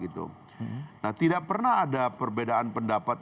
tidak pernah ada perbedaan pendapat